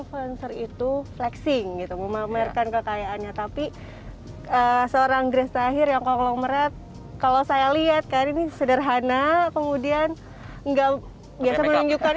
ya karena influencer itu flexing gitu memamerkan kekayaannya tapi seorang grace tahir yang kalau melihat kalau saya lihat kan ini sederhana kemudian gak biasa menunjukkan